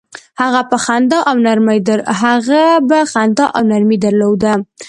هغه به خندا او نرمي درلوده.